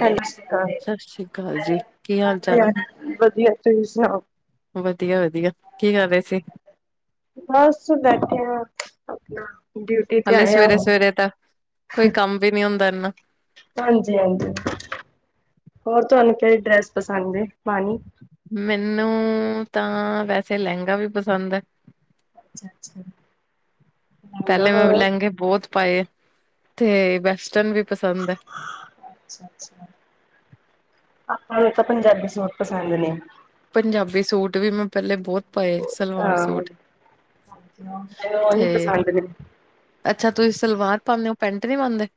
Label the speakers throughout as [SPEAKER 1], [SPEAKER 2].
[SPEAKER 1] ਸਤ ਸ਼੍ਰੀ
[SPEAKER 2] ਸਤਿ ਸ੍ਰੀ ਅਕਾਲ ਜੀ ਕੀ ਹਾਲ ਚਾਲ
[SPEAKER 1] ਅਕਾਲ, ਵਧੀਆ ਤੁਹੀ ਸੁਣਾਓ?
[SPEAKER 2] ਵਧੀਆ-ਵਧੀਆ। ਕੀ, ਕਰ ਰਹੇ ਸੀ?
[SPEAKER 1] ਬੱਸ, ਬੈਠੇ ਆਂ।
[SPEAKER 2] ਹਲੇ ਸਵੇਰੇ-ਸਵੇਰੇ ਤਾ, ਕੋਈ ਕੰਮ ਵੀ ਨੀ ਹੁੰਦਾ ਇੰਨਾ‌।
[SPEAKER 1] ਹਾਂਜੀ-ਹਾਂਜੀ, ਹੋਰ ਤੁਹਾਨੂੰ ਕਿਹੜੀ ਡਰੈਸ ਪਸੰਦ ਏ, ਪਾਣੀ?
[SPEAKER 2] ਮੈਨੂੰ---ਤਾਂ ਵੈਸੇ ਲਹਿੰਗਾ ਵੀ ਪਸੰਦ ਐ।
[SPEAKER 1] ਅੱਛਾ-ਅੱਛਾ।
[SPEAKER 2] ਪਹਿਲੇ ਮੈਂ ਲਹਿੰਗੇ ਬਹੁਤ ਪਾਏ, ਤੇ ਵੈਸਟਰਨ ਵੀ ਪਸੰਦ ਐ।
[SPEAKER 1] ਹਾਂ ਆਪਾਂ ਨੁੰ ਤਾਂ ਪੰਜਾਬੀ ਸੂਟ ਪਸੰਦ ਨੇ।
[SPEAKER 2] ਪੰਜਾਬੀ ਸੂਟ ਵੀ, ਮੈਂ ਪਹਿਲੇ ਬਹੁਤ ਪਏ ਸਲਵਾਰ
[SPEAKER 1] ਹਾਂ
[SPEAKER 2] ਸੂਟ
[SPEAKER 1] ਮੈਨੂੰ
[SPEAKER 2] ਤੇ
[SPEAKER 1] [inaudible]
[SPEAKER 2] ਅੱਛਾ ਤੁਸੀਂ ਸਲਵਾਰ ਪਾਦੇ ਹੋ ਪੈਂਟ ਨਹੀਂ ਪਾਦੇ।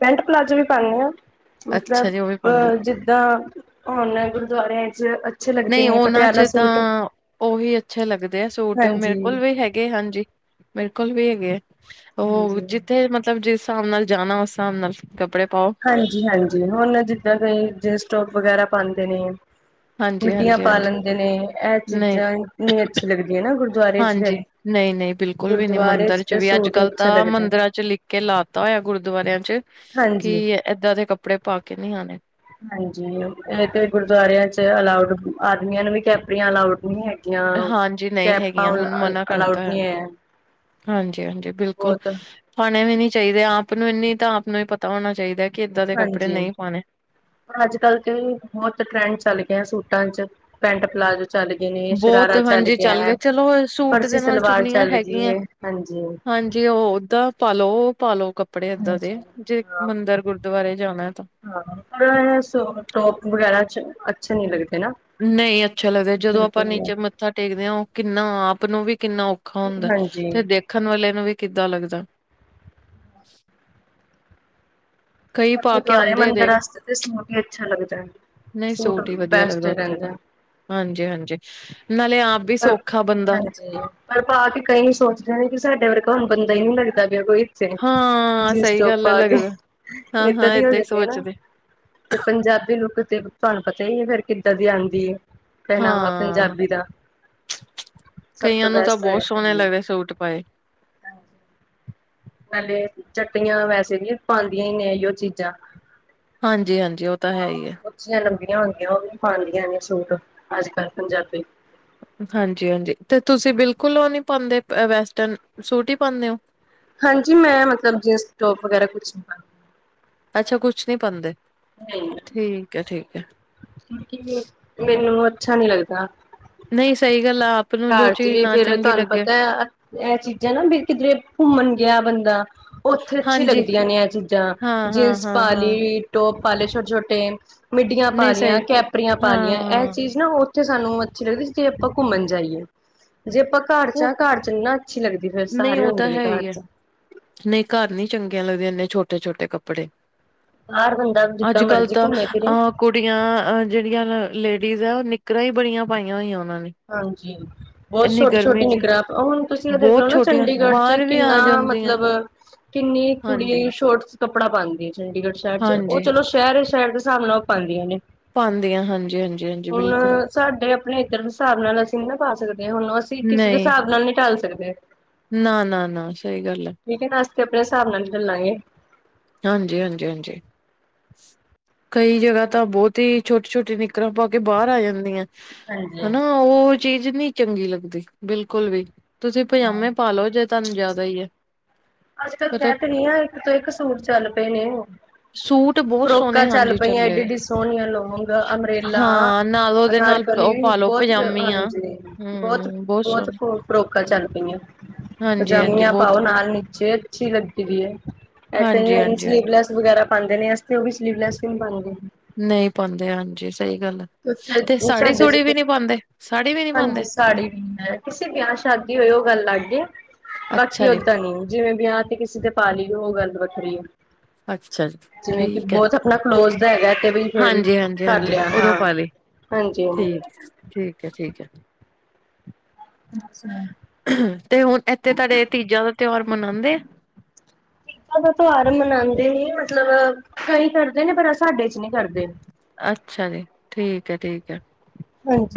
[SPEAKER 1] ਪੈਂਟ ਪਲਾਜੋ ਵੀ ਪਾਇਆ ਹਾਂ
[SPEAKER 2] ਅੱਛਾ
[SPEAKER 1] ਮਤਲਬ
[SPEAKER 2] ਜੀ ਉਹ ਵੀ ਪਾਉਂਦਾ
[SPEAKER 1] ਅਹ ਜਿੱਦਾਂ ਹੁਣ ਗੁਰਦੁਆਰਿਆਂ ਚ, ਅੱਛੇ ਲੱਗਦੇ
[SPEAKER 2] ਨਹੀਂ
[SPEAKER 1] ਨੇ
[SPEAKER 2] ਉਹਨਾਂ
[SPEAKER 1] ਪਟਿਆਲਾ
[SPEAKER 2] ਚ ਤਾਂ
[SPEAKER 1] ਸੂਟ
[SPEAKER 2] ਉਹੀ ਅੱਛੇ ਲੱਗਦੇ ਆ, ਸੂਟ ਮੇਰੇ
[SPEAKER 1] ਹਾਂਜੀ
[SPEAKER 2] ਕੋਲ ਵੀ ਹੈਗੇ ਹਾਂਜੀ। ਮੇਰੇ ਕੋਲ ਵੀ ਹੈਗੇ ਆ, ਉਹ
[SPEAKER 1] ਹਾਂਜੀ
[SPEAKER 2] ਜਿੱਥੇ ਮਤਲਬ ਜਿਸ ਹਿਸਾਬ ਨਾਲ ਜਾਣਾ ਉਸ ਹਿਸਾਬ ਨਾਲ ਕੱਪੜੇ ਪਾਓ।
[SPEAKER 1] ਹਾਂਜੀ, ਹਾਂਜੀ, ਹੁਣ ਜਿੱਦਾਂ ਕਈ ਜੇ ਸਟੋਵ ਵਗੈਰਾ ਪਾਦੇ ਨੇ।
[SPEAKER 2] ਹਾਂਜੀ,
[SPEAKER 1] ਮਿੱਟੀਆਂ
[SPEAKER 2] ਹਾਂਜੀ,
[SPEAKER 1] ਪਾ
[SPEAKER 2] ਹਾਂਜੀ
[SPEAKER 1] ਲੇਦੇ ਨੇ ਇਹ
[SPEAKER 2] ਨਹੀਂ
[SPEAKER 1] ਚੀਜ਼ਾਂ ਨੀ ਅੱਛੀ ਲੱਗਦੀਆਂ ਨਾ ਗੁਰਦੁਆਰੇ ਚ ਫਿਰ
[SPEAKER 2] ਹਾਂਜੀ। ਨਹੀਂ ਨਹੀਂ ਬਿਲਕੁਲ ਵੀ ਨਹੀ
[SPEAKER 1] ਗੁਰਦੁਆਰੇ
[SPEAKER 2] ਮੰਦਿਰ ਚ
[SPEAKER 1] ਤੇ
[SPEAKER 2] ਵੀ
[SPEAKER 1] ਸੂਟ ਹੀ
[SPEAKER 2] ਅੱਜ-ਕੱਲ
[SPEAKER 1] ਅੱਛਾ
[SPEAKER 2] ਤਾਂ
[SPEAKER 1] ਲੱਗਦਾ
[SPEAKER 2] ਮੰਦਿਰਾਂ ਚ ਲਿਖ ਕੇ ਲਾਤਾ ਹੋਇਆ ਗੁਰਦੁਆਰਿਆਂ ਚ
[SPEAKER 1] ਹਾਂਜੀ,
[SPEAKER 2] ਕੀ ਏ ਏਦਾਂ ਦੇ ਕੱਪੜੇ ਪਾ ਕੇ ਨਹੀਂ ਆਣੇ,
[SPEAKER 1] ਹਾਂਜੀ, ਇਹ ਤੇ ਗੁਰਦੁਆਰਿਆਂ ਚ ਅਲਾਉਡ ਆਦਮੀਆਂ ਨੂੰ ਵੀ ਕੈਪਰੀਆਂ ਅਲਾਉਡ ਨਹੀਂ ਹੈ।
[SPEAKER 2] ਹਾਂਜੀ ਨਹੀਂ
[SPEAKER 1] ਕੈਪਾਂ
[SPEAKER 2] ਹੈਗੀਆਂ ਹੁਣ ਮਨਾ
[SPEAKER 1] ਅਲਾਉਡ
[SPEAKER 2] ਕਰਤਾ
[SPEAKER 1] ਨਹੀਂ ਹੈ ਆ।
[SPEAKER 2] ਹਾਂਜੀ, ਹਾਂਜੀ, ਬਿਲਕੁਲ, ਪਾਉਣੇ ਵੀ ਨਹੀਂ ਚਾਹੀਦੇ ਆਪ ਨੂੰ ਇਨੀ ਤਾਂ ਆਪ ਨੂੰ ਹੀ ਪਤਾ ਹੋਣਾ ਚਾਹੀਦਾ, ਕਿ ਏਦਾਂ ਦੇ ਕੱਪੜੇ ਨਹੀਂ ਪਾਣੇ।
[SPEAKER 1] ਅੱਜ-ਕੱਲ ਤੇ ਬਹੁਤ ਟਰੈਂਡ ਚੱਲ ਗਏ, ਸੂਟਾਂ ਚ ਪੈਂਟ ਪਲਾਜ਼ੋ, ਚੱਲ ਗਏ ਨੇ
[SPEAKER 2] ਬਹੁਤ
[SPEAKER 1] ਸ਼ਰਾਰਾ
[SPEAKER 2] ਹਾਂਜੀ ਚੱਲ
[SPEAKER 1] ਹੈ
[SPEAKER 2] ਗਿਆ, ਚਲੋ ਸੂਟ
[SPEAKER 1] ਫਰਸੀ
[SPEAKER 2] ਦੇ ਨਾਲ
[SPEAKER 1] ਸਲਵਾਰ
[SPEAKER 2] ਚੁੰਨੀਆਂ
[SPEAKER 1] ਚੱਲ ਗਈ
[SPEAKER 2] ਹੈਗੀਆਂ।
[SPEAKER 1] ਹੈ ਹਾਂਜੀ
[SPEAKER 2] ਹਾਂਜੀ ਉਹ ਓਦਾਂ ਪਾਲੋ ਪਾਲੋ ਕੱਪੜੇ ਏਦਾਂ
[SPEAKER 1] ਹਾਂਜੀ
[SPEAKER 2] ਦੇ ਜੇ
[SPEAKER 1] ਹਾਂ
[SPEAKER 2] ਮੰਦਿਰ ਗੁਰਦੁਆਰੇ ਜਾਣਾ ਤਾਂ
[SPEAKER 1] ਹਾਂ ਸ ਟੋਪ ਵਗੈਰਾ ਅੱਛੇ ਨੀ ਲੱਗਦੇ ਨਾ
[SPEAKER 2] ਨਹੀਂ ਅੱਛਾ ਲੱਗਦਾ ਜਦੋਂ
[SPEAKER 1] ਬਿਲਕੁਲ
[SPEAKER 2] ਆਪਾਂ
[SPEAKER 1] ਨੀ
[SPEAKER 2] ਨੀਚੇ ਮੱਥਾ ਟੇਕਦੇ ਹਾਂ ਉਹ ਕਿੰਨਾ ਆਪ ਨੂੰ ਵੀ ਕਿੰਨਾ ਔਖਾ ਹੁੰਦਾ
[SPEAKER 1] ਹਾਂਜੀ
[SPEAKER 2] ਤੇ ਦੇਖਣ ਵਾਲੇ ਨੂੰ ਵੀ ਕਿੱਦਾਂ ਲੱਗਦਾ ਕਈ ਪਾ ਕੇ
[SPEAKER 1] ਗੁਰਦੁਆਰੇ
[SPEAKER 2] ਆਉਂਦੇ
[SPEAKER 1] ਮੰਦਿਰ
[SPEAKER 2] ਦੇਖ
[SPEAKER 1] ਵਾਸਤੇ ਤੇ ਸੂਟ ਹੀ ਅੱਛਾ ਲੱਗਦਾ ਹੈ
[SPEAKER 2] ਨਹੀਂ
[SPEAKER 1] ਸੂਟ
[SPEAKER 2] ਹੀ ਵਧੀਆ
[SPEAKER 1] ਬੈਸਟ
[SPEAKER 2] ਲੱਗਦਾ ਉੱਥੇ ਤਾਂ
[SPEAKER 1] ਰਹਿੰਦਾ
[SPEAKER 2] ਹਾਂਜੀ ਹਾਂਜੀ ਨਾਲੇ ਆਪ ਵੀ ਸੌਖਾ ਬੰਦਾ
[SPEAKER 1] ਹਾਂਜੀ ਪਰ ਆਪਾਂ ਆ ਕੇ ਕਈ ਨੀ ਸੋਚਦੇ ਨੇ ਵੀ ਸਾਡੇ ਵਰਗਾ ਹੁਣ ਬੰਦਾ ਹੀ ਨੀ ਲੱਗਦਾ ਪਿਆ ਕੋਈ
[SPEAKER 2] ਹਾਂ
[SPEAKER 1] ਜਿਨਸ
[SPEAKER 2] ਸਹੀ
[SPEAKER 1] ਤੋਪ
[SPEAKER 2] ਗੱਲ ਹੈ
[SPEAKER 1] ਪਾ ਕੇ
[SPEAKER 2] ਲੱਗਦਾ ਹਾਂ
[SPEAKER 1] ਏਦਾਂ
[SPEAKER 2] ਹਾਂ
[SPEAKER 1] ਦੀ ਹੋ
[SPEAKER 2] ਹੀ
[SPEAKER 1] ਜਾਂਦੇ ਨਾ
[SPEAKER 2] ਸੋਚਦੇ
[SPEAKER 1] ਤੇ ਪੰਜਾਬੀ ਲੁੱਕ ਤੇ ਤੁਹਾਨੂੰ ਪਤਾ ਹੀ ਹੈ ਫੇਰ ਕਿੱਦਾਂ ਦੀ ਆਉਂਦੀ ਪਹਿਨਾਵਾ
[SPEAKER 2] ਹਾਂ
[SPEAKER 1] ਪੰਜਾਬੀ ਦਾ ਸਭ ਤੋਂ
[SPEAKER 2] ਕਈਆਂ ਨੂੰ ਤਾਂ
[SPEAKER 1] ਬੈਸਟ
[SPEAKER 2] ਬਹੁਤ
[SPEAKER 1] ਹੋਇਆ
[SPEAKER 2] ਸੋਹਣੇ ਲੱਗਦੇ
[SPEAKER 1] ਹਾਂਜੀ
[SPEAKER 2] ਸੂਟ ਪਾਏ
[SPEAKER 1] ਹਾਂਜੀ ਜੱਟਇਆਂ ਵੈਸੇ ਵੀ ਪਾਉਂਦੀਆਂ ਹੀ ਨੇ ਉਹ ਚੀਜ਼ਾਂ
[SPEAKER 2] ਹਾਂਜੀ ਹਾਂਜੀ ਉਹ ਤਾਂ ਹੈ
[SPEAKER 1] ਹਾਂ
[SPEAKER 2] ਹੀ ਹੈ।
[SPEAKER 1] ਉੱਚੀਆਂ ਲੰਬੀਆਂ ਹੁੰਦੀਆਂ ਉਹ ਵੀ ਪਾਉਂਦੀਆਂ ਆਂ ਸੂਟ ਅੱਜ ਕੱਲ੍ਹ ਪੰਜਾਬੀ
[SPEAKER 2] ਹਾਂਜੀ ਹਾਂਜੀ ਅਤੇ ਤੁਸੀਂ ਬਿਲਕੁਲ ਉਹ ਨਹੀਂ ਪਾਉਂਦੇ ਵੈਸਟਰਨ ਸੂਟ ਹੀ ਪਾਉਂਦੇ ਹੋ
[SPEAKER 1] ਹਾਂਜੀ ਮੈਂ ਮਤਲਬ ਜੀਨਸ ਟੋਪ ਵਗੈਰਾ ਕੁਛ ਨ
[SPEAKER 2] ਅੱਛਾ ਕੁਛ ਨਹੀਂ ਪਾਦੇ,
[SPEAKER 1] ਨਹੀਂ,
[SPEAKER 2] ਠੀਕ ਹੈ ਠੀਕ ਹੈ।
[SPEAKER 1] ਕਿਉਂਕਿ ਮੈਨੂੰ ਅੱਛਾ ਨੀ ਲੱਗਦਾ।
[SPEAKER 2] ਨਹੀਂ ਸਹੀ ਗੱਲ ਆ ਆਪ ਨੂੰ ਜੋ
[SPEAKER 1] ਘਰ ਚ
[SPEAKER 2] ਚੀਜ਼
[SPEAKER 1] ਵੀ
[SPEAKER 2] ਨਾ
[SPEAKER 1] ਫੇਰ
[SPEAKER 2] ਚੰਗੀ
[SPEAKER 1] ਤੁਹਾਨੂੰ
[SPEAKER 2] ਲੱਗੇ
[SPEAKER 1] ਪਤਾ ਹੈ, ਇਹ ਚੀਜ਼ਾਂ ਨਾ ਵੀ ਕਿਧਰੇ ਘੁੰਮਣ ਗਿਆ ਬੰਦਾ ਉਹ ਉੱਥੇ ਅੱਛੀ
[SPEAKER 2] ਹਾਂਜੀ
[SPEAKER 1] ਲੱਗਦੀਆਂ, ਨੇ ਇਹ ਚੀਜ਼ਾਂ
[SPEAKER 2] ਹਾਂ ਹਾਂ
[SPEAKER 1] ਜੀਨਸ
[SPEAKER 2] ਹਾਂ
[SPEAKER 1] ਪਾ
[SPEAKER 2] ਹਾਂ
[SPEAKER 1] ਲਈ ਟੋਪ ਪਾ ਲਏ ਛੋਟੇ-ਛੋਟੇ ਮਿੱਡੀਆਂ ਪਾ
[SPEAKER 2] ਨਹੀਂ
[SPEAKER 1] ਲਈਆਂ
[SPEAKER 2] ਸਹੀ
[SPEAKER 1] ਕੈਪਰੀਆਂ ਪਾ ਲਈਆਂ ਇਹ
[SPEAKER 2] ਹਾਂ
[SPEAKER 1] ਚੀਜ਼ ਨਾ ਤੇ ਸਾਨੂੰ ਅੱਛੀ ਲੱਗਦੀ, ਜੇ ਆਪਾਂ ਘੁੰਮਣ ਜਾਈਏ ਜੇ ਆਪਾਂ ਘਰ
[SPEAKER 2] ਉਹ
[SPEAKER 1] ਚ ਘਰ ਚੱਲਣਾ ਅੱਛੀ ਲੱਗਦੀ। ਫੇਰ
[SPEAKER 2] ਨਹੀਂ
[SPEAKER 1] ਸਾਰੇ
[SPEAKER 2] ਉਹ
[SPEAKER 1] ਹੁੰਦੇ
[SPEAKER 2] ਤਾਂ
[SPEAKER 1] ਨੇ
[SPEAKER 2] ਹੈ
[SPEAKER 1] ਘਰ
[SPEAKER 2] ਹੀ ਹੈ
[SPEAKER 1] ਚ,
[SPEAKER 2] ਨਹੀਂ ਘਰ ਨਹੀਂ ਚੰਗੀਆਂ ਲੱਗਦੀਆਂ ਇਨੇ ਛੋਟੇ ਛੋਟੇ ਕੱਪੜੇ
[SPEAKER 1] ਬਾਹਰ ਬੰਦਾ
[SPEAKER 2] ਅੱਜ
[SPEAKER 1] ਜਿੱਦਾਂ
[SPEAKER 2] ਕੱਲ੍ਹ
[SPEAKER 1] ਮਰਜ਼ੀ
[SPEAKER 2] ਤਾਂ
[SPEAKER 1] ਘੁੰਮੇ ਫਿਰੇ
[SPEAKER 2] ਅਹ ਕੁੜ ਕੁੜੀਆਂ ਜਿਹੜੀਆਂ ਲੇਡੀਜ਼ ਆ ਉਹ ਨਿੱਕਰਾਂ ਹੀ ਬੜੀਆਂ ਪਾਈਆਂ ਹੋਈਆਂ ਉਹਨਾਂ ਨੇ
[SPEAKER 1] ਹਾਂਜੀ ਬਹੁਤ
[SPEAKER 2] ਇੰਨੀ ਗਰਮੀ
[SPEAKER 1] ਛੋਟੀ-ਛੋਟੀ
[SPEAKER 2] ਚ
[SPEAKER 1] ਨਿਕਰ, ਹੁਣ ਤੁਸੀਂ ਇਹ ਦੇਖਲੋ
[SPEAKER 2] ਬਹੁਤ
[SPEAKER 1] ਨਾ,
[SPEAKER 2] ਛੋਟੀਆਂ
[SPEAKER 1] ਚੰਡੀਗੜ੍ਹ ਚ
[SPEAKER 2] ਬਾਹਰ ਵੀ ਆ
[SPEAKER 1] ਕਿੰਨਾ,
[SPEAKER 2] ਜਾਂਦੀਆਂ
[SPEAKER 1] ਮਤਲਬ ਕਿੰਨੀ ਕੁੜੀ
[SPEAKER 2] ਹਾਂਜੀ-ਹਾਂਜੀ
[SPEAKER 1] ਛੋਟ ਕੱਪੜਾ ਪਾਉਂਦੀਆਂ, ਚੰਡੀਗੜ੍ਹ ਸ਼ਹਿਰ ਚ ਉਹ ਚਲੋ, ਸ਼ਹਿਰ ਸ਼ਹਿਰ ਦੇ ਹਿਸਾਬ ਨਾਲ ਉਹ ਪਾਉਦੀਆਂ ਨੇਂ
[SPEAKER 2] ਪਾਉਂਦੀਆਂ ਹਾਂਜੀ-ਹਾਂਜੀ-ਹਾਂਜੀ, ਬਿਲਕੁਲ
[SPEAKER 1] ਸਾਡੇ ਆਪਣੇ ਇੱਧਰ ਦੇ ਹਿਸਾਬ ਨਾਲ ਅਸੀਂ ਨਾ ਪਾ ਸਕਦੇ, ਹਾਂ ਹੁਣ ਅਸੀਂ ਕਿਸ ਦੇ
[SPEAKER 2] ਨਹੀਂ
[SPEAKER 1] ਹਿਸਾਬ ਨਾਲ ਨਹੀਂ ਟਾਲ ਸਕਦੇ।
[SPEAKER 2] ਨਾ, ਨਾ, ਨਾ, ਸਹੀ ਗੱਲ।
[SPEAKER 1] ਠੀਕ ਹੈ, ਨਾ ਅਸੀਂ ਆਪਣੇ ਹਿਸਾਬ ਨਾਲ ਚੱਲਾਂਗੇ।
[SPEAKER 2] ਹਾਂਜੀ, ਹਾਂਜੀ, ਹਾਂਜੀ। ਕਈ ਜਗ੍ਹਾ ਤਾਂ ਬਹੁਤ ਹੀ ਛੋਟੀ-ਛੋਟੀ ਨਿਕਲਾਂ ਪਾ ਕੇ ਬਾਹਰ ਆ ਜਾਂਦੀਆਂ।
[SPEAKER 1] ਹਾਂਜੀ,
[SPEAKER 2] ਹਨਾ ਉਹ ਚੀਜ਼ ਨਹੀਂ ਚੰਗੀ ਲੱਗਦੀ ਬਿਲਕੁਲ ਵੀ ਤੁਸੀਂ ਪਜਾਮੇ ਪਾ ਲਓ, ਜੇ ਤੁਹਾਨੂੰ ਜ਼ਿਆਦਾ ਹੀ ਹੈ।
[SPEAKER 1] ਅੱਜ-ਕੱਲ [unintelligible]
[SPEAKER 2] ਮਤਲਬ
[SPEAKER 1] ਆ ਇੱਕ ਤੋਂ ਇੱਕ ਸੂਟ ਚੱਲ ਪਏ ਨੇ ਉਹ
[SPEAKER 2] ਸੂਟ ਬਹੁਤ
[SPEAKER 1] ਫਰੋਕਾਂ
[SPEAKER 2] ਸੋਹਣੇ
[SPEAKER 1] ਚੱਲ
[SPEAKER 2] ਹਾਂਜੀ
[SPEAKER 1] ਪਈਆਂ,
[SPEAKER 2] ਚੱਲੇ ਆ।
[SPEAKER 1] ਐਏਡੀਆ-ਐਏਡੀਆ ਸੋਹਣੀਆਂ ਲੋਂਂਗ ਅਮਰੇਲਾ
[SPEAKER 2] ਹਾਂ ਨਾਲ ਉਹਦੇ
[SPEAKER 1] ਅਨਾਰ
[SPEAKER 2] ਨਾਲ ਉਹ
[SPEAKER 1] ਲੀ
[SPEAKER 2] ਪਾਲੋ
[SPEAKER 1] ਬਹੁਤ
[SPEAKER 2] ਪਜਾਮੀਆਂ
[SPEAKER 1] ਹਾਂਜੀ ਬਹੁਤ
[SPEAKER 2] ਹਮ
[SPEAKER 1] ਬਹੁਤ
[SPEAKER 2] ਸੋਹਣੇ
[SPEAKER 1] ਫਰੋਕਾਂ ਚੱਲ ਪਈਆਂ।
[SPEAKER 2] ਹਾਂਜੀ ਹਾਂਜੀ
[SPEAKER 1] ਪਜਾਮੀਆਂ
[SPEAKER 2] ਬਹੁਤ
[SPEAKER 1] ਪਾਓ, ਨਾਲ ਨੀਚੇ ਅੱਛੀ ਲੱਗਦੀ ਪਈ ਐ, ਐ ਕਈ
[SPEAKER 2] ਹਾਂਜੀ
[SPEAKER 1] ਆ ਨੁੰ
[SPEAKER 2] ਹਾਂਜੀ
[SPEAKER 1] ਸਲੀਵ
[SPEAKER 2] ਹਾਂਜੀ
[SPEAKER 1] ਲੈਸ ਵਗੈਰਾ ਪਾਉਂਦੇ ਨੇ, ਇਸ ਤੇ ਉਹ ਵੀ ਸਲੀਵਲੈਸ ਵੀ ਪਾਉਂਦੇ ਨੇ,
[SPEAKER 2] ਨਹੀਂ ਪਾਉਂਦੇ, ਹਾਂਜੀ ਸਹੀ ਗੱਲ ਤੇ
[SPEAKER 1] ਕਿਉਂਕਿ
[SPEAKER 2] ਸਾੜੀ
[SPEAKER 1] ਸਾਡੇ
[SPEAKER 2] ਸੁੜੀ
[SPEAKER 1] ਚ
[SPEAKER 2] ਵੀ ਨਹੀਂ ਪਾਉਂਦੇ। ਸਾੜੀ ਵੀ ਨੀ ਪਾਉਂਦੇ
[SPEAKER 1] ਹਾਂਜੀ ਸਾੜੀ ਵੀ ਨੀ ਆ, ਕਿਸੇ ਵਿਆਹ ਸ਼ਾਦੀ ਹੋਏ, ਉਹ ਗੱਲ ਲੱਗ ਐ। ਬਾਕੀ
[SPEAKER 2] ਅੱਛਾ ਜੀ,
[SPEAKER 1] ਓਦਾਂ ਨੀ ਜਿਵੇ, ਵਿਆਹ ਤੇ ਕਿਸੇ ਤੇ ਪਾ ਲਈ ਉਹ ਗੱਲ ਵੱਖਰੀ ਆ।
[SPEAKER 2] ਅੱਛਾ ਜੀ,
[SPEAKER 1] ਜਿਵੇਂ ਕਿ
[SPEAKER 2] ਠੀਕ ਹੈ।
[SPEAKER 1] ਬਹੁਤ ਆਪਣਾ ਕਲੋਜ਼ ਦਾ ਹੈਗਾ, ਤੇ ਵੀ ਫਿਰ ਕਰ ਲਿਆ ਹਾਂ। ਹਾਂਜੀ ਹਾਂਜੀ
[SPEAKER 2] ਠੀਕ-ਠੀਕ ਹੈ ਠੀਕ ਹੈ। ਤੇ ਹੁਣ ਇੱਥੇ ਤੁਹਾਡੇ ਤੀਜਾ ਦਾ ਤਿਉਹਾਰ ਮਨਾਉਂਦੇ ਆ।
[SPEAKER 1] [unintelligible] ਗਤਾ ਦਾ ਤਿਉਹਾਰ ਮਨਾਉਂਦੇ ਨੇ, ਮਤਲਬ ਕਈ ਕਰਦੇ ਨੇ ਪਰ ਸਾਡੇ ਚ ਨਹੀਂ ਕਰਦੇ।
[SPEAKER 2] ਅੱਛਾ ਜੀ ਠੀਕ ਹੈ, ਠੀਕ ਹੈ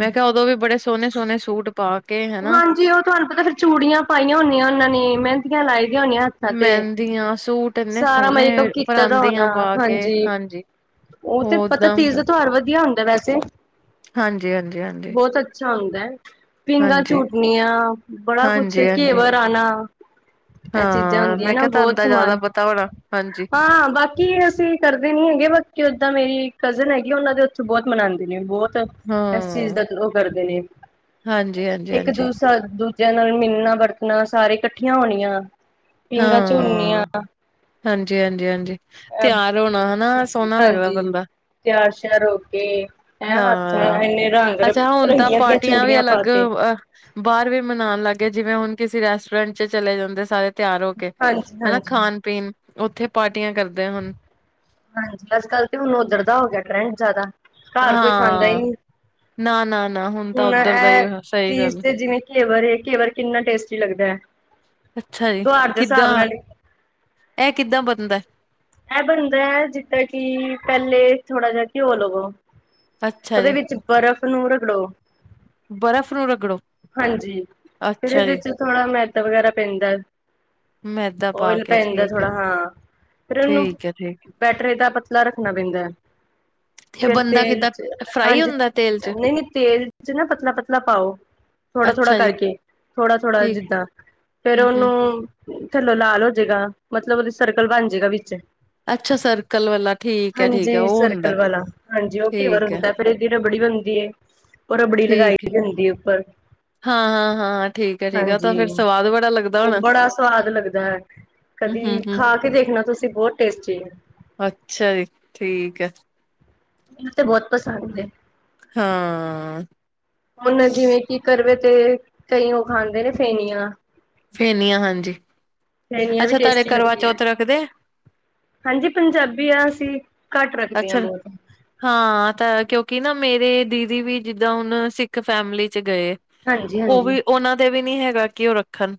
[SPEAKER 2] ਮੈਂ ਕਿਹਾ ਉਦੋਂ ਵੀ ਬੜੇ ਸੋਹਣੇ ਸੋਹਣੇ ਸੂਟ ਪਾ ਕੇ, ਹਨਾ
[SPEAKER 1] ਹਾਂਜੀ ਉਹ ਤੁਹਾਨੂੰ ਪਤਾ, ਫਿਰ ਚੂੜੀਆਂ ਪਾਈਆਂ ਹੁੰਦੀਆਂ, ਉਹਨਾਂ ਨੇ ਮਹਿੰਦੀਆਂ ਲਾਈ ਦੀਆਂ ਹੋਈਆਂ।
[SPEAKER 2] ਮਹਿੰਦੀਆਂ ਸੂਟ ਇੰਨੇ, ਸੋਹਣੇ
[SPEAKER 1] ਮੇਕਅਪ ਕੀਤਾ ਦਾ ਹੋਣਾ
[SPEAKER 2] ਪਰਾਂਦੀਆਂ ਪਾ ਕੇ ਹਾਂਜੀ।
[SPEAKER 1] ਉਹ ਤੇ ਪਤਾ
[SPEAKER 2] ਓਦਾਂ
[SPEAKER 1] ਤੀਜ
[SPEAKER 2] ਹੁੰਦਾ
[SPEAKER 1] ਦਾ ਤਿਉਹਾਰ ਵਧੀਆ ਹੁੰਦਾ ਵੈਸੇ,
[SPEAKER 2] ਹਾਂਜੀ, ਹਾਂਜੀ, ਹਾਂਜੀ।
[SPEAKER 1] ਬਹੁਤ ਅੱਛਾ ਹੁੰਦਾ, ਪੀਗਾਂ
[SPEAKER 2] ਹਾਂਜੀ,
[SPEAKER 1] ਝੂਟਣੀਆਂ ਬੜਾ ਕੁਛ
[SPEAKER 2] ਹਾਂਜੀ, ਹਾਂਜੀ।
[SPEAKER 1] ਕੇਵਰ ਆਣਾ ਇਹ ਚੀਜ਼ਾਂ
[SPEAKER 2] ਹਾਂ
[SPEAKER 1] ਹੁੰਦੀਆਂ
[SPEAKER 2] ਮੈਂ
[SPEAKER 1] ਨਾ
[SPEAKER 2] ਕਿਹਾ, ਤੁਹਾਨੂੰ
[SPEAKER 1] ਬਹੁਤ
[SPEAKER 2] ਤਾਂ ਜ਼ਿਆਦਾ
[SPEAKER 1] ਸਮਾਨ
[SPEAKER 2] ਪਤਾ ਹੋਣਾ ਹਾਂਜੀ।
[SPEAKER 1] ਹਾਂ ਬਾਕੀ ਅਸੀਂ ਕਰਦੇ ਨੀ ਹੈਗੇ, ਬਾਕੀ ਉੱਦਾਂ ਮੇਰੀ ਕਜ਼ਨ ਹੈਗੀ, ਉਹਨਾਂ ਦੇ ਉੱਥੋਂ ਬਹੁਤ ਮਨਾਉਂਦੇ ਨੇ ਬਹੁਤ ਇਸ ਚੀਜ਼
[SPEAKER 2] ਹਾਂ।
[SPEAKER 1] ਦਾ ਉਹ ਕਰਦੇ ਨੇ,
[SPEAKER 2] ਹਾਂਜੀ, ਹਾਂਜੀ,
[SPEAKER 1] ਇੱਕ
[SPEAKER 2] ਹਾਂਜੀ
[SPEAKER 1] ਦੂਸਰਾ ਦੂ ਨਾਲ ਮਿਲਣਾ, ਵਰਤਣਾ ਸਾਰੇ ਇਕੱਠੀਆਂ ਹੋਣੀਆਂ ਪੀਂਘਾਂ
[SPEAKER 2] ਹਾਂ।
[SPEAKER 1] ਝੂਨੀਆਂ
[SPEAKER 2] ਹਾਂਜੀ, ਹਾਂਜੀ, ਹਾਂਜੀ, ਤਿਆਰ ਹੋਣਾ ਹਨਾ ਸੋਹਣਾ ਲੱਗਦਾ,
[SPEAKER 1] ਹਾਂਜੀ
[SPEAKER 2] ਬੰਦਾ
[SPEAKER 1] ਤਿਆਰ ਸ਼ਿਆਰ ਹੋ ਕੇ ਹੈਂ ਹੱਥਾਂ
[SPEAKER 2] ਹਾਂ
[SPEAKER 1] ਇੰਨੇ ਰੰਗ
[SPEAKER 2] ਅੱਛਾ ਹੁਣ ਤਾਂ
[SPEAKER 1] ਰੰਗੀਆਂ ਦੀਆਂ
[SPEAKER 2] ਪਾਰਟੀਆਂ ਵੀ
[SPEAKER 1] ਚੂੜੀਆਂ ਪਾ
[SPEAKER 2] ਅਲੱਗ
[SPEAKER 1] ਕੇ
[SPEAKER 2] ਬਾਹਰ ਵੀ ਮਨਾਉਣ ਲੱਗ ਗਏ ਜਿਵੇਂ, ਹੁਣ ਕਿਸੇ ਰੈਸਟੋਰੈਂਟ ਚ ਚਲੇ ਜਾਂਦੇ ਸਾਰੇ, ਤਿਆਰ ਹੋ ਕੇ
[SPEAKER 1] ਹਾਂਜੀ
[SPEAKER 2] ਹਨਾ,
[SPEAKER 1] ਹਾਂਜੀ
[SPEAKER 2] ਖਾਣ-ਪੀਣ ਉੱਥੇ ਪਾਰਟੀਆਂ ਕਰਦੇ ਹੁਣ
[SPEAKER 1] ਹਾਂਜੀ ਅੱਜ-ਕੱਲ੍ਹ ਤੇ ਹੁਣ ਉੱਧਰਦਾ ਹੋ ਗਿਆ, ਟਰੈਂਡ ਜ਼ਿਆਦਾ। ਘਰ ਕੋਈ ਖਾਂਦਾ ਹੀ
[SPEAKER 2] ਹਾਂ
[SPEAKER 1] ਨਹੀਂ,
[SPEAKER 2] ਨਾ, ਨਾ, ਨਾ ਤਾਂ
[SPEAKER 1] ਹੁਣ
[SPEAKER 2] ਉੱਧਰ ਦਾ ਹੀ
[SPEAKER 1] ਇਹ
[SPEAKER 2] ਸਹੀ
[SPEAKER 1] ਚੀਜ਼
[SPEAKER 2] ਗੱਲ
[SPEAKER 1] ਤੇ ਜਿਵੇਂ ਕੇਵਰ ਇਹ ਕੇਵਰ ਕਿੰਨਾ ਟੇਸਟੀ ਲੱਗਦਾ ਹੈ।
[SPEAKER 2] ਅੱਛਾ ਜੀ,
[SPEAKER 1] ਤਿਉਹਾਰ ਦੇ ਹਿਸਾਬ
[SPEAKER 2] ਕਿੱਦਾਂ
[SPEAKER 1] ਨਾਲ
[SPEAKER 2] ਇਹ ਕਿੱਦਾਂ ਬਣਦਾ?
[SPEAKER 1] ਇਹ ਬੰਦਾ ਹੈ, ਜਿੱਦਾਂ ਕਿ ਪਹਿਲੇ ਥੋੜਾ ਜਿਹਾ ਘਿਓ ਲਵੋ,
[SPEAKER 2] ਅੱਛਾ
[SPEAKER 1] ਉਹਦੇ
[SPEAKER 2] ਜੀ
[SPEAKER 1] ਵਿੱਚ ਬਰਫ਼ ਨੂੰ ਰਗੜੋ
[SPEAKER 2] ਬਰਫ਼ ਨੂੰ ਰਗੜੋ
[SPEAKER 1] ਹਾਂਜੀ, ਫਿਰ
[SPEAKER 2] ਅੱਛਾ
[SPEAKER 1] ਇਹਦੇ
[SPEAKER 2] ਜੀ
[SPEAKER 1] ਚ ਥੋੜਾ ਮੈਦਾ ਵਗੈਰਾ ਪੈਂਦਾ।
[SPEAKER 2] ਮੈਦਾ ਪਾ
[SPEAKER 1] ਓਇਲ
[SPEAKER 2] ਕੇ
[SPEAKER 1] ਪੈਂਦਾ
[SPEAKER 2] ਠੀਕ ਹੈ,
[SPEAKER 1] ਥੋੜਾ ਹਾਂ। ਨੂੰ
[SPEAKER 2] ਠੀਕ ਹੈ, ਠੀਕ
[SPEAKER 1] ਪੈਟਰੇ ਦਾ ਪਤਲਾ ਰੱਖਣਾ ਪੈਂਦਾ ਹੈ।
[SPEAKER 2] ਇਹ
[SPEAKER 1] ਫਿਰ
[SPEAKER 2] ਬਣਦਾ
[SPEAKER 1] ਤੇਲ
[SPEAKER 2] ਕਿੱਦਾਂ
[SPEAKER 1] ਚ
[SPEAKER 2] ਫਰਾਈ
[SPEAKER 1] ਹਾਂਜੀ,
[SPEAKER 2] ਹੁੰਦਾ ਤੇਲ ਚ
[SPEAKER 1] ਨਹੀਂ-ਨਹੀਂ ਤੇਲ ਚ ਨਾ ਪਤਲਾ-ਪਤਲਾ ਪਾਓ। ਥੋੜਾ- ਥੋੜਾ,
[SPEAKER 2] ਅੱਛਾ ਜੀ।
[SPEAKER 1] ਕਰਕੇ ਥੋੜਾ- ਥੋੜਾ
[SPEAKER 2] ਠੀਕ
[SPEAKER 1] ਜਿੱਦਾਂ, ਫੇਰ
[SPEAKER 2] ਹੂੰ ਹੂੰ
[SPEAKER 1] ਉਹਨੂੰ ਥੱਲੋਂ ਲਾਲ ਹੋ ਜਏਗਾ। ਮਤਲਬ ਉਹਦੀ, ਸਰਕਲ ਬਣ ਜਾਏਗਾ ਵਿੱਚ।
[SPEAKER 2] ਅੱਛਾ ਸਰਕਲ ਵਾਲਾ ਠੀਕ ਹੈ ਠੀਕ ਹੈ
[SPEAKER 1] ਹਾਂਜੀ,
[SPEAKER 2] ਉਹ ਹੁੰਦਾ
[SPEAKER 1] ਸਰਕਲ ਵਾਲਾ। ਹਾਂਜੀ, ਉਹ ਘੇਵਰ
[SPEAKER 2] ਠੀਕ ਹੈ
[SPEAKER 1] ਹੁੰਦਾ। ਪਰ ਇਹ, ਚੀਜ਼ ਤੇ ਬੜੀ ਗੰਦੀ ਹੈ। ਬਰਫ ਬੜੀ ਲਗਾਈ
[SPEAKER 2] ਠੀਕ ਹੈ
[SPEAKER 1] ਹੁੰਦੀ ਉਪਰ।
[SPEAKER 2] ਹਾਂ ਹਾਂ ਹਾਂ ਠੀਕ ਹੈ ਠੀਕ ਹੈ ਤਾਂ
[SPEAKER 1] ਹਾਂਜੀ,
[SPEAKER 2] ਫੇਰ ਸਵਾਦ ਬੜਾ ਲੱਗਦਾ
[SPEAKER 1] ਉਹ
[SPEAKER 2] ਹੋਣਾ
[SPEAKER 1] ਬੜਾ ਸਵਾਦ, ਲੱਗਦਾ ਹੈ।
[SPEAKER 2] ਹੂੰ ਹੂੰ
[SPEAKER 1] ਕਦੀ,
[SPEAKER 2] ਹੂੰ
[SPEAKER 1] ਖਾ ਕੇ ਦੇਖਣਾ ਤੁਸੀਂ, ਬਹੁਤ ਟੇਸਟੀ ਹੈ।
[SPEAKER 2] ਅੱਛਾ ਜੀ, ਠੀਕ ਹੈ।
[SPEAKER 1] ਮੈਨੂੰ ਤੇ, ਬਹੁਤ ਪਸੰਦ ਹੈ।
[SPEAKER 2] ਹਾਂ।
[SPEAKER 1] ਹੁਣ ਜਿਵੇਂ ਕਿ, ਕਰਵੇ ਤੇ ਕਈ ਉਹ, ਖਾਂਦੇ ਨੇ ਫੇਨੀਆਂ।
[SPEAKER 2] ਫਨੀ, ਆ ਹਾਂਜੀ।
[SPEAKER 1] ਫੇਨੀਆਂ ਵੀ
[SPEAKER 2] ਅੱਛਾ, ਤੁਹਾਡੇ
[SPEAKER 1] ਟੇਸਟੀ ਲੱਗਦੀਆਂ।
[SPEAKER 2] ਕਰਵਾਚੌਥ ਰੱਖਦੇ ਆ।
[SPEAKER 1] ਹਾਂਜੀ, ਪੰਜਾਬੀ ਆ ਅਸੀਂ। ਘੱਟ ਰੱਖਦੇ ਹਾਂ
[SPEAKER 2] ਅੱਛਾ
[SPEAKER 1] ਬਹੁਤ।
[SPEAKER 2] ਹਾਂ ਤਾਂ, ਕਿਉਂਕਿ ਨਾ ਮੇਰੇ ਦੀਦੀ ਵੀ, ਜਿੱਦਾਂ ਹੁਣ ਸਿੱਖ ਫੈਮਲੀ ਚ ਗਏ।
[SPEAKER 1] ਹਾਂਜੀ
[SPEAKER 2] ਉਹ
[SPEAKER 1] ਹਾਂਜੀ
[SPEAKER 2] ਵੀ, ਉਹਨਾਂ ਤੇ ਵੀ ਨਹੀਂ ਹੈਗਾ। ਕਿ ਉਹ ਰੱਖਣ,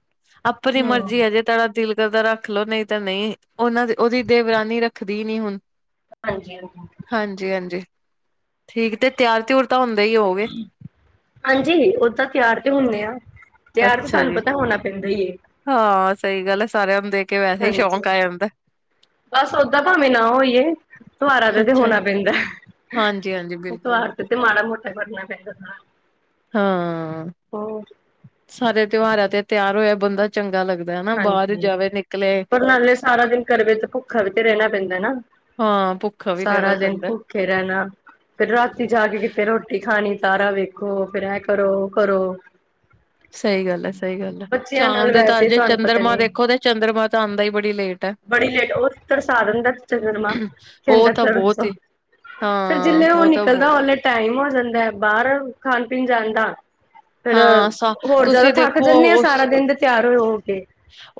[SPEAKER 2] ਆਪਣੀ
[SPEAKER 1] ਹਮ
[SPEAKER 2] ਮਰਜ਼ੀ ਹੈ। ਜੇ ਤੁਹਾਡੇ ਦਿਲ ਰ ਦਾ ਰੱਖ ਲਓ, ਨਹੀਂ ਤਾਂ ਨਹੀਂ। ਉਹਨਾਂ ਦੀ ਉਹਦੀ ਦੇਵਰਾਨੀ, ਰੱਖਦੀ ਨੀ ਹੁਣ।
[SPEAKER 1] ਹਾਂਜੀ- ਹਾਂਜੀ।
[SPEAKER 2] ਹਾਂਜੀ- ਹਾਂਜੀ। ਠੀਕ ਤੇ, ਤਿਆਰ ਤਿਰ ਤਾਂ ਹੁੰਦੇ ਹੀ ਹੋਗੇ।
[SPEAKER 1] ਹਾਂਜੀ, ਔ ਦਾਂ ਤਿਆਰ ਤੇ ਹੁੰਦੇ ਆਾਂ। ਤਿਆਰ ਤੇ
[SPEAKER 2] ਅੱਛਾ
[SPEAKER 1] ਤੁਹਾਨੂੰ
[SPEAKER 2] ਜੀ
[SPEAKER 1] ਪਤਾ ਹੋਣਾ ਪੈਂਦਾ ਹੀ।
[SPEAKER 2] ਹਾਂ, ਸਹੀ ਗੱਲ ਹੈ। ਸਾਰਿਆਂ ਨੂੰ ਦੇਖ ਕੇ, ਵੈਸੇ ਹੀ
[SPEAKER 1] ਹਾਂਜੀ
[SPEAKER 2] ਸ਼ੌਂਕ ਆ ਜਾਂਦਾ ਹੈ।
[SPEAKER 1] ਬਸ ਓਦਾਂ, ਭਾਵੇਂ ਨਾ ਹੋਈਏ। ਤਆਰਾ ਤੇ ਤਾ,
[SPEAKER 2] ਅੱਛਾ
[SPEAKER 1] ਹੋਣਾ
[SPEAKER 2] ਜੀ
[SPEAKER 1] ਪੈਂਦਾ
[SPEAKER 2] ਹਾਂਜੀ ਹਾਂਜੀ ਬਿਲਕੁਲ
[SPEAKER 1] ਤਿਆਾਰ। ਤੇ ਮੜਾ ਮੋਟਾ ਕਰਨਾ ਪੈਂਦਾ ਨਾ।
[SPEAKER 2] ਹਾਂ, ਸਾਰੇ ਤਿਉਹਾਰਾਂ ਤੇ, ਤਿਆਰ ਹੋਇਆ। ਬੰਦਾ ਚੰਗਾ ਲੱਗਦਾ। ਹਨਾ ਬਾਹਰ
[SPEAKER 1] ਹਾਂਜੀ,
[SPEAKER 2] ਜਾਵੇ ਨਿਕਲੇ
[SPEAKER 1] ਪਰ ਨਾਲੇ ਸਾਰਾ ਦਿਨ, ਕਰਵੇ ਤੇ ਭੁੱਖਾ ਵੀ ਤੇ ਰਹਿਣਾ ਪੈਂਦਾ ਨਾ।
[SPEAKER 2] ਹਾਂ। ਭੁੱਖਾ ਵੀ ਕਹਿਣਾ ਪੈਂਦਾ।
[SPEAKER 1] ਭੁੱਖੇ ਰਹਿਣਾ। ਫੇਰ ਰਾਤੀ ਜਾ ਕੇ, ਕਿਤੇ ਰੋਟੀ ਖਾਣੀ। ਤਾਰਾ ਵੇਖੋ ਫੇਰ ਐ ਕਰੋ- ਉਹ ਕਰੋ। [inaudible]
[SPEAKER 2] ਸਹੀ ਗੱਲ ਹੈ, ਸਹੀ ਗੱਲ ਹੈ।
[SPEAKER 1] ਬੱਚਿਆਂ ਨਾਲ
[SPEAKER 2] ਚਾਂਦ ਤਾਂ
[SPEAKER 1] ਵੈਸੇ
[SPEAKER 2] ਅਜੇ ਚੰ
[SPEAKER 1] ਤੁਹਾਨੂੰ ਪਤਾ
[SPEAKER 2] ਚੰਦਰਮਾ
[SPEAKER 1] ਨੀ
[SPEAKER 2] ਦੇਖੋ ਤੇ, ਚੰਦਰਮਾ ਤਾਂ ਆਉਂਦਾ ਹੀ, ਬੜੀ ਲੇਟ ਹੈ।
[SPEAKER 1] ਬੜੀ ਲੇਟ। ਉਹ ਤੇ ਤਰਸਾ ਦਿੰਦਾ ਸੀ। ਚੰਗਰਮਾ
[SPEAKER 2] ਉਹ
[SPEAKER 1] ਕਹਿੰਦਾ
[SPEAKER 2] ਤਾਂ ਬਹੁਤ
[SPEAKER 1] ਤਰਸਾ
[SPEAKER 2] ਹੀ
[SPEAKER 1] ਫੇਰ
[SPEAKER 2] ਹਾਂ
[SPEAKER 1] ਜਲੇ ਉਹ
[SPEAKER 2] ਤਾਂ
[SPEAKER 1] ਨਿਕਲਦਾ।
[SPEAKER 2] ਬਹੁਤ
[SPEAKER 1] ਔਨਾ ਟਾਈਮ ਹੋ ਜਾਂਦਾ ਹੈ। ਬਾਹਰ ਖਾਣ- ਪੀਣ ਜਾਣ ਦਾ। ਫੇਰ
[SPEAKER 2] ਹਾਂ ਸ
[SPEAKER 1] ਹੋਰ, ਜਿਆਦਾ
[SPEAKER 2] ਤੁਸੀਂ
[SPEAKER 1] ਥੱਕ
[SPEAKER 2] ਦੇਖੋ
[SPEAKER 1] ਜਾਂਦੇ ਹਾਂ।
[SPEAKER 2] ਉਸ
[SPEAKER 1] ਸਾਰਾ ਦਿਨ ਦੇ ਤਿਆਰ ਹੋਏ ਹੋ ਕੇ।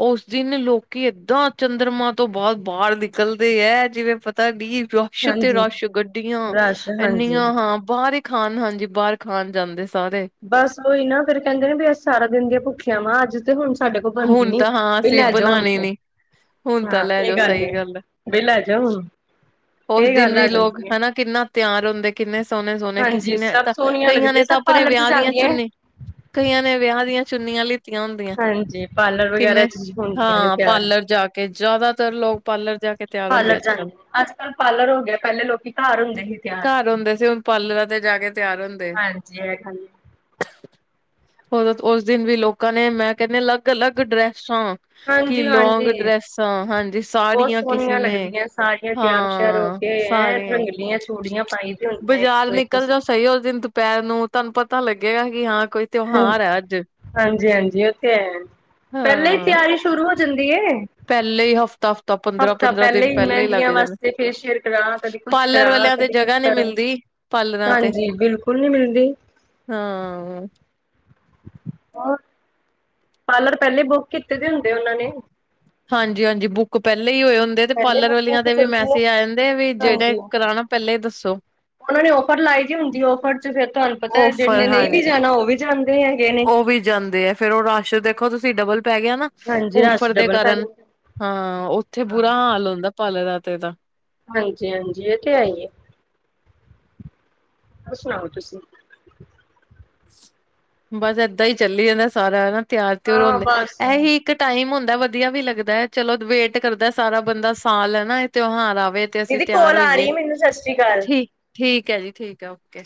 [SPEAKER 2] ਉਸ ਦਿਨ ਲੋਕੀ, ਏਦਾਂ ਚੰਦਰਮਾ ਤੋਂ ਬਾਅਦ। ਬਾਹਰ ਨਿਕਲਦੇ ਹੈ। ਜਿਵੇਂ ਪਤਾ ਨੀ। ਰਸ਼ ਤੇ
[SPEAKER 1] ਹਾਂਜੀ।
[SPEAKER 2] ਰਸ਼ ਗੱਡੀਆਂ,
[SPEAKER 1] ਰਸ਼ ਹਾਂਜੀ।
[SPEAKER 2] ਇੰਨੀਆਂ ਹਾਂ ਬਾਹਰ ਖਾਣ। ਹਾਂਜੀ, ਬਾਹਰ ਖਾਣ ਜਾਂਦੇ ਸਾਰੇ।
[SPEAKER 1] ਬਸ ਉਹੀ ਨਾ, ਫੇਰ ਕਹਿੰਦੇ ਨੇ ਵੀ ਅਸੀਂ, ਸਾਰਾ ਦਿਨ ਦੀਆਂ ਭੁੱਖਿਆ ਵਾ। ਅੱਜ ਤੇ ਹੁਣ, ਸਾਡੇ ਕੋਲ ਬਣਦੀ
[SPEAKER 2] ਹੁਣ
[SPEAKER 1] ਨੀ।
[SPEAKER 2] ਤਾਂ ਹਾਂ
[SPEAKER 1] ਬ
[SPEAKER 2] ਅਸੀਂ
[SPEAKER 1] ਲੈ ਜਾਓ ਹੁਣ
[SPEAKER 2] ਬਣਾਣੀ
[SPEAKER 1] ਤੇ।
[SPEAKER 2] ਨੀ ਹੁਣ ਤਾਂ
[SPEAKER 1] ਹਾਂ,
[SPEAKER 2] ਲੈ
[SPEAKER 1] ਇਹ
[SPEAKER 2] ਜਾਓ
[SPEAKER 1] ਗੱਲ ਵੈ।
[SPEAKER 2] ਸਹੀ ਐ
[SPEAKER 1] ਵੀ ਲੈ ਜਾਓ,
[SPEAKER 2] ਉਸ
[SPEAKER 1] ਇਹ
[SPEAKER 2] ਦਿਨ
[SPEAKER 1] ਗੱਲ
[SPEAKER 2] ਵੀ
[SPEAKER 1] ਆ
[SPEAKER 2] ਲੋਕ
[SPEAKER 1] ਜਾਂਦੀ ਆ।
[SPEAKER 2] ਹਨਾ ਕਿੰਨਾ ਤਿਆਰ ਹੁੰਦੇ। ਕਿੰਨੇ ਸੋਹਣੇ- ਸੋਹਣੇ। ਕਿਸੇ
[SPEAKER 1] ਹਾਂਜੀ
[SPEAKER 2] ਨੇ
[SPEAKER 1] ਸਭ
[SPEAKER 2] ਤਾਂ,
[SPEAKER 1] ਸੋਹਣੀਆਂ
[SPEAKER 2] ਕਈਆਂ
[SPEAKER 1] ਲੱਗਦੀਆਂ
[SPEAKER 2] ਨੇ ਤਾਂ
[SPEAKER 1] ਸਭ
[SPEAKER 2] ਆਪਣੇ
[SPEAKER 1] ਪਾਰਲਰ ਚ
[SPEAKER 2] ਵਿਆਹ ਦੀਆਂ
[SPEAKER 1] ਜਾਂਦੀਆਂ ਏ।
[SPEAKER 2] ਚੁੰਨੀ ਕਈਆਂ ਨੇ ਵਿਆਹ, ਦੀਆਂ ਚੁੰਨੀਆਂ ਲਿੱਤੀਆਂ ਹੁੰਦੀਆਂ।
[SPEAKER 1] ਹਾਂਜੀ। ਪਾਰਲਰ ਵਗੈਰਾ
[SPEAKER 2] ਕਿੰਨੇ
[SPEAKER 1] ਚ, ਹੁੰਦੀਆਂ ਨੇ
[SPEAKER 2] ਹਾਂ
[SPEAKER 1] ਤਿਆਰ।
[SPEAKER 2] ਪਾਰਲਰ ਜਾ ਕੇ ਜ਼ਿਆਦਾਤਰ ਲੋਕ ਪਾਰਲਰ ਜਾ ਕੇ ਤਿਆਰ ਹੁੰਦੇ
[SPEAKER 1] ਪਾਰਰ
[SPEAKER 2] ਅੱਜ
[SPEAKER 1] ਜਾਂਦੇ
[SPEAKER 2] ਕੱਲ੍ਹ
[SPEAKER 1] ਨੇ। ਕੱਲ ਪਾਰਲਰ ਹੋ ਗਿਆ। ਪਹਿਲੇ ਲੋਕੀ ਘਰ ਹੁੰਦੇ ਸੀ ਤਿਆਰ।
[SPEAKER 2] ਘਰ ਹੁੰਦੇ ਸੀ ਹੁਣ ਪਾਰਲਰਾਂ ਤੇ
[SPEAKER 1] ਹਾਂਜੀ। ਜਿਖਾਂਦੇ
[SPEAKER 2] ਉਹ ਉਸ ਦਿਨ ਵੀ, ਲੋਕਾਂ ਨੇ ਮੈਂ ਕਹਿੰਦੇ ਅਲੱਗ- ਅਲੱਗ ਡਰੈਸਾਂ। ਕਿ ਲੋਂਗ
[SPEAKER 1] ਹਾਂਜੀ-ਹਾਂਜੀ।
[SPEAKER 2] ਡਰੈਸਾਂ। ਹਾਂਜੀ,
[SPEAKER 1] ਬਹੁਤ
[SPEAKER 2] ਸਾੜੀਆਂ ਕਿਸੇ
[SPEAKER 1] ਸੋਹਣੀਆਂ
[SPEAKER 2] ਨੇ,
[SPEAKER 1] ਲੱਗਦੀਆਂ ਸਾਰੀਆਂ ਤਿਆਰ ਸ਼ਿਆਰ ਹੋ
[SPEAKER 2] ਹਾਂ।
[SPEAKER 1] ਕੇ ਐ
[SPEAKER 2] ਸਾਰੀਆਂ ਹੀ।
[SPEAKER 1] ਰੰਗਲੀਆਂ ਚੂੜੀਆਂ ਪਾਈ ਦੀ ਹੁੰਦੀਆਂ ਇੱਕ
[SPEAKER 2] ਬਾਜ਼ਾਰ
[SPEAKER 1] ਤੋਂ
[SPEAKER 2] ਨਿਕਲ
[SPEAKER 1] ਇੱਕ
[SPEAKER 2] ਜਾਓ ਸਹੀ ਹੋ ਦਿ ਪੈਰ ਨੂੰ, ਤੁਹਾਨੂੰ ਪਤਾ ਲੱਗੇਗਾ। ਕਿ ਹਾਂ, ਕੋਈ ਤਿਉਹਾਰ ਹੈ ਅੱਜ।
[SPEAKER 1] ਹਾਂਜੀ- ਹਾਂਜੀ। ਉੱ ਤੇ ਹੈ, ਪਹਿਲੇ ਹੀ
[SPEAKER 2] ਹਾਂ
[SPEAKER 1] ਤਿਆਰੀ ਸ਼ੁਰੂ ਹੋ ਜਾਂਦੀ ਏ।
[SPEAKER 2] ਪਹਿਲੇ ਹੀ ਹਫ਼ਤਾ-ਹਫ਼ਤਾ
[SPEAKER 1] ਹਫ਼ਤਾ
[SPEAKER 2] ਪੰਦਰਾਂ-ਪੰਦਰਾਂ
[SPEAKER 1] ਪਹਿਲੇ
[SPEAKER 2] ਦਿਨ
[SPEAKER 1] ਹੀ,
[SPEAKER 2] ਲੱਗ
[SPEAKER 1] ਮਹਿੰਦੀਆਂ
[SPEAKER 2] ਜਾਂਦੇ।
[SPEAKER 1] ਵਾਸਤੇ, ਫੇਸ਼ੀਅਲ ਕਰਾ ਕਦੀ। ਕੁਛ
[SPEAKER 2] ਪਾਰਲਰ
[SPEAKER 1] ਕਰਾਨਾ
[SPEAKER 2] ਵਾਲਿਆਂ ਤੇ
[SPEAKER 1] ਕਦੇ ਕੁਛ
[SPEAKER 2] ਜਗ੍ਹਾ ਨੀ
[SPEAKER 1] ਕਰਨ
[SPEAKER 2] ਮਿਲਦੀ ਪਾਰਲਰਾਂ ਤੇ
[SPEAKER 1] ਹਾਂਜੀ ਬਿਲਕੁਲ ਨਹੀਂੀ ਮਿਲਦੀ
[SPEAKER 2] ਹਾਂ
[SPEAKER 1] ਹੋਰ ਪਾਰਲਰ ਪਹਿਲੇ ਬੁੱਕ ਕੀਤੇ ਦੇ ਹੁੰਦੇ ਉਹਨਾਂ ਨੇ
[SPEAKER 2] ਹਾਂਜੀ ਹਾਂਜੀ ਬੁੱਕ ਪਹਿਲੇਾਂ ਹੀ ਹੋਏ ਹੁੰਦੇ ਤੇ
[SPEAKER 1] ਪਹਿਲੇ
[SPEAKER 2] ਪਾਰਲਰ
[SPEAKER 1] ਬੁਕਿੰਗ
[SPEAKER 2] ਵਾਲੀਆਂ
[SPEAKER 1] ਤੇ
[SPEAKER 2] ਦੇ ਵੀ
[SPEAKER 1] ਚੱਲਦੀ ਹੈ
[SPEAKER 2] ਮੈਸੇਜ ਆ ਜਾਂਦੇ ਵੀ
[SPEAKER 1] ਹਾਂਜੀ
[SPEAKER 2] ਜਿਹੜੇ ਕਰਾਣਾ ਪਹਿੱਲਲੇ ਦੱਸੋ
[SPEAKER 1] ਉਹਨਾਂ ਨੇ ਔਫਰ ਲਾਈ ਦੀ ਹੁੰਦੀ ਔਫਰ ਚ ਫੇਿਰ ਤੁਹਾਨੂੰ ਪਤਾ
[SPEAKER 2] ਔਫਰ
[SPEAKER 1] ਜਿੰਨੇ ਨਹੀਂ ਵੀ
[SPEAKER 2] ਹਾਂਜੀ।
[SPEAKER 1] ਜਾਣਾ ਉਹ ਵੀ ਜਾਂਦੇ ਹੈਗੇ ਨੇ
[SPEAKER 2] ਉਹ ਵੀ ਜਾਂਦੇ ਹੈ ਫੇਰ ਉਹ ਰਾਸ਼ ਦੇਖੋ ਤੁਸੀਂ ਡਬਲ ਪੈ ਗਿਆ ਨਾ
[SPEAKER 1] ਹਾਂਜੀ ਰਸ਼ ਡਬਲ ਪੈ
[SPEAKER 2] ਕਰਨ
[SPEAKER 1] ਜਾਂਦਾ
[SPEAKER 2] ਹਾਂ ਉੱਥੇ
[SPEAKER 1] ਹਾਂ
[SPEAKER 2] ਬੁਰਾ ਹਾਲ ਹੁੰਂਦਾ ਪਾਲਰਾ ਦੇ ਤੇਦਾ
[SPEAKER 1] ਹਾਂਜੀ ਹਾਂਜੀ ਇਹ ਤੇ ਹੈਇਏ ਆ ਹੋਰ ਸੁਣਾਓ ਤੁਸੀਂ
[SPEAKER 2] ਬਸ ਏਦਾਂ ਹੀ ਚੱਲੀ ਜਾਂਦਾ ਸਾਰਾ ਹਨਾ ਤਿਆਰ ਤਉਰ
[SPEAKER 1] ਹਾਂ
[SPEAKER 2] ਹੁੰਦੇ
[SPEAKER 1] ਬਸ
[SPEAKER 2] ਇਹੀ ਇੱਕ ਟਾਈਮ ਹੁੰਦਾ ਵਧੀਆ ਵੀ ਲੱਗਦਾ ਹੈ ਚਲੋ ਵੇਟ ਕਰਦਾ ਸਾਰਾ ਬੰਦਾ ਸਾਲ ਹੈ ਨਾ ਇਹ ਤਿਉਹਾਰ ਆਵੇ ਤੇ ਅਸੀਂ
[SPEAKER 1] ਦੀਦੀ
[SPEAKER 2] ਤਿਆਰ
[SPEAKER 1] ਕੋਲ ਆ ਰਹੀ
[SPEAKER 2] ਹੋਈਏ
[SPEAKER 1] ਹੈ ਮੈਨੂੰ ਸਤਿ ਸ੍ਰੀ ਅਕਾਲ
[SPEAKER 2] ਠੀਕ ਠੀਕ ਹੈ ਜੀ ਠੀਕ ਹੈ ਓਕੇ